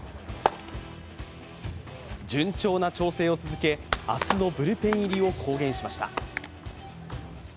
順調な調整を続け、明日のブルペン入りを公言しました。